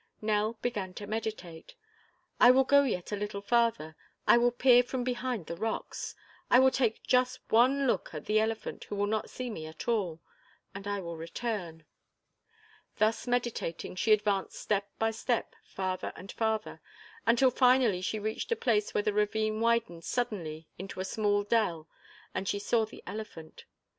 Nell began to meditate. "I will go yet a little farther. I will peer from behind the rocks; I will take just one look at the elephant who will not see me at all, and I will return." Thus meditating, she advanced step by step farther and farther, until finally she reached a place where the ravine widened suddenly into a small dell and she saw the elephant.